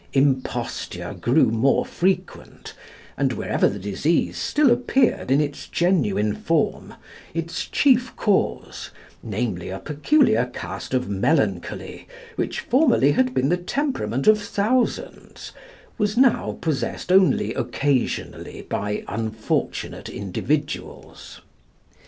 Imposture grew more frequent, and wherever the disease still appeared in its genuine form, its chief cause, namely, a peculiar cast of melancholy, which formerly had been the temperament of thousands, was now possessed only occasionally by unfortunate individuals.